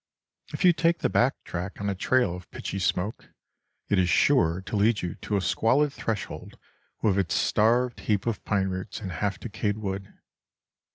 If you take the back track on a trail of pitchy smoke, it is sure to lead you to a squalid threshold with its starved heap of pine roots and half decayed wood.